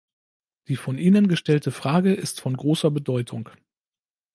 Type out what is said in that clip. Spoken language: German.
Die von Ihnen gestellte Frage ist von großer Bedeutung.